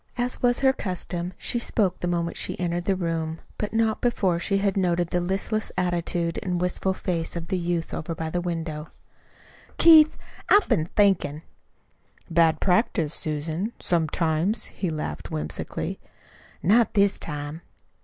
As was her custom she spoke the moment she entered the room but not before she had noted the listless attitude and wistful face of the youth over by the window. "Keith, I've been thinkin'." "Bad practice, Susan sometimes," he laughed whimsically. "Not this time."